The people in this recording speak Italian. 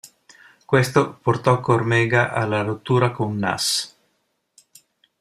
Questo portò Cormega alla rottura con Nas.